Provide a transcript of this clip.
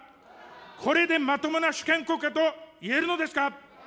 これでまともな主権国家といえるのですか。